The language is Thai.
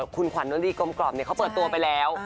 คุณขวัญนวลีกลมกล่อมเขาเปิดตัวไปแล้ว